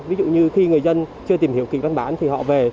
ví dụ như khi người dân chưa tìm hiểu kịch văn bản thì họ về